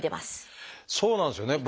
そうなんですよね。